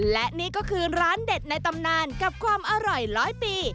และนี่ก็คือร้านเด็ดในตำนานกับความอร่อยร้อยปี